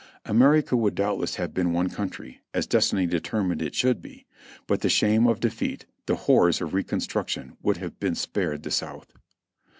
America would doubtless have been one country, as destiny determined it should be — but the shame of defeat, the horrors of reconstruction would have been spared the South.